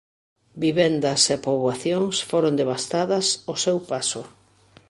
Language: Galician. Vivendas e poboacións foron devastadas ao seu paso.